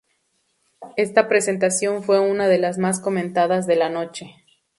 Esta presentación fue una de las más comentadas de la noche.